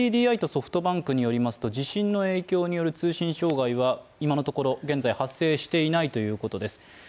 ＫＤＤＩとソフトバンクによりますと、地震の影響による通信障害は今のところ、現在、発生していないということです。